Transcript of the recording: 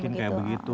dibikin kayak begitu